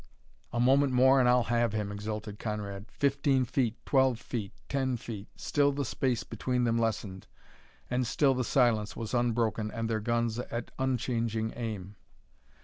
"A moment more, and I'll have him!" exulted Conrad. Fifteen feet, twelve feet, ten feet still the space between them lessened, and still the silence was unbroken and their guns at unchanging aim.